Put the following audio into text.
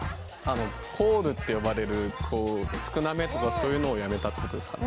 コールって呼ばれるこう「少なめ」とかそういうのをやめたってことですかね？